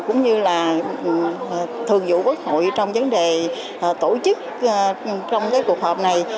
cũng như là thường vụ quốc hội trong vấn đề tổ chức trong cuộc họp này